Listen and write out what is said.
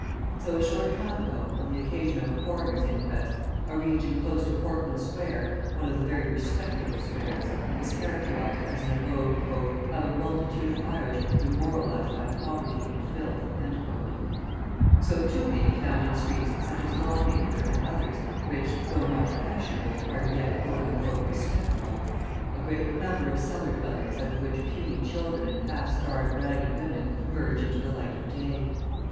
So, a short time ago, on the occasion of a coroner's inquest, a region close to Portman Square, one of the very respectable squares, was characterised as an abode "of a multitude of Irish demoralised by poverty and filth." So, too, may be found in streets, such as Long Acre and others, which, though not fashionable, are yet "respectable," a great number of cellar dwellings out of which puny children and half starved, ragged women emerge into the light of day.